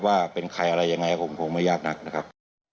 ว่าเป็นใครอะไรยังไงคงไม่ยากนักนะครับ